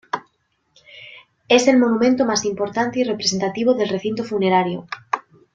Es el monumento más importante y representativo del recinto funerario.